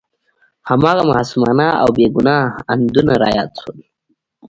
هماغه معصومانه او بې ګناه اندونه را یاد شول.